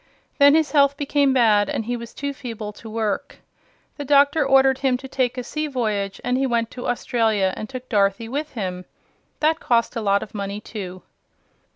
Then his health became bad and he was too feeble to work. The doctor ordered him to take a sea voyage and he went to Australia and took Dorothy with him. That cost a lot of money, too.